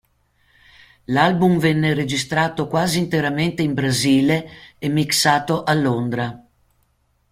L'album venne registrato quasi interamente in Brasile e mixato a Londra.